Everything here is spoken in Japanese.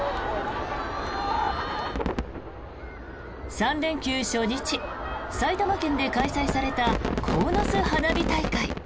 ３連休初日埼玉県で開催されたこうのす花火大会。